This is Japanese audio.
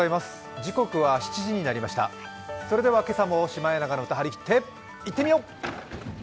それでは、今朝も「シマエナガの歌」はりきっていってみよう。